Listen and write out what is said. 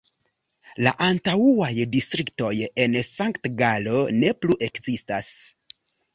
La antaŭaj distriktoj en Sankt-Galo ne plu ekzistas.